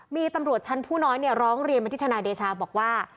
มีตำรวจชั้นผู้น้อยร้องเรียนมาที่ทนายเดชาบอกว่า